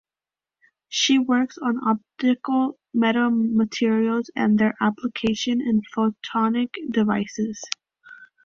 She works on optical metamaterials and their application in photonic devices.